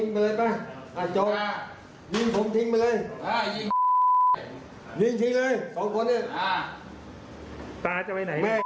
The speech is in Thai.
เนี่ยแป๊บ